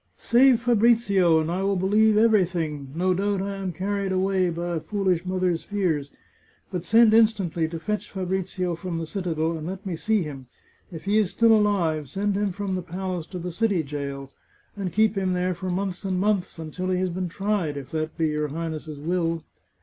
" Save Fabrizio, and I will believe everything ! No doubt 475 The Chartreuse of Parma I am carried away by a foolish mother's fears. But send instantly to fetch Fabrizio from the citadel, and let me see him. If he is still alive, send him from the palace to the city jail, and keep him there for months and months, until he has been tried, if that be your Highness's will